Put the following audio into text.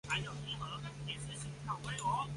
哈蒙德的预算延续了政府冻结福利的政策。